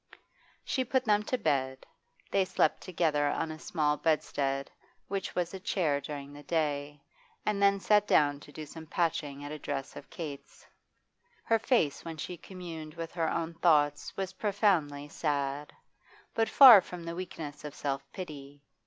She put them to bed they slept together on a small bedstead, which was a chair during the day and then sat down to do some patching at a dress of Kate's. Her face when she communed with her own thoughts was profoundly sad, but far from the weakness of self pity.